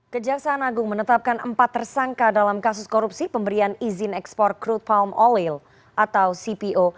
kejaksaan agung menetapkan empat tersangka dalam kasus korupsi pemberian izin ekspor crude palm oil atau cpo